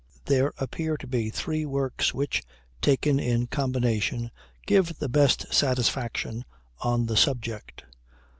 There appear to be three works which, taken in combination, give the best satisfaction on the subject.